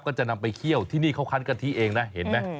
ก็จะนำไปเคี่ยวที่นี่เขาคันกะทิเองนะเห็นไหม